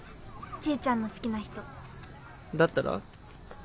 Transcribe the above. ちーちゃんの好きな人だったら？